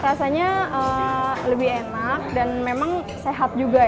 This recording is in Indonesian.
rasanya lebih enak dan memang sehat juga ya